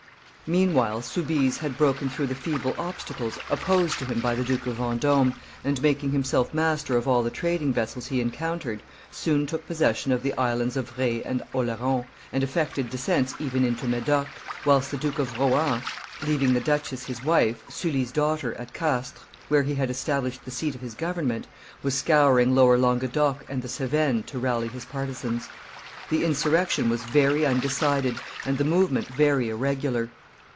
Meanwhile, Soubise had broken through the feeble obstacles opposed to him by the Duke of Vendome, and, making himself master of all the trading vessels he encountered, soon took possession of the Islands of Re and Oleron and effected descents even into Medoc, whilst the Duke of Rohan, leaving the duchess his wife, Sully's daughter, at Castres, where he had established the seat of his government, was scouring Lower Languedoc and the Cevennes to rally his partisans. The insurrection was very undecided, and the movement very irregular.